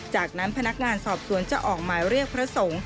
จากนั้นพนักงานสอบสวนจะออกหมายเรียกพระสงฆ์